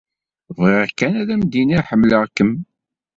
Bɣiɣ kan ad m-d-iniɣ ḥemmleɣ-kem.